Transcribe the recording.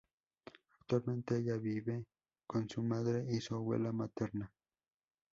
Actualmente ella vive con su madre y su abuela materna.